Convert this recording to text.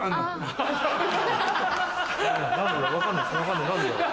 分かんない何でだろう？